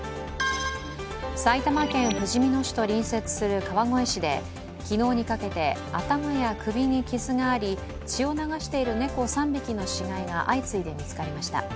埼玉県ふじみ野市と隣接する川越市で昨日にかけて頭や首に傷があり血を流している猫３匹の死骸が相次いで見つかりました。